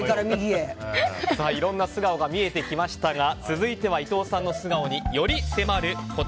いろんな素顔が見えてきましたが続いては伊藤さんの素顔により迫る